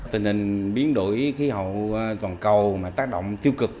tình hình biến đổi khí hậu toàn cầu mà tác động tiêu cực